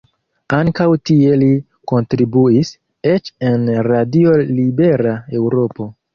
Ankaŭ tie li kontribuis, eĉ en Radio Libera Eŭropo.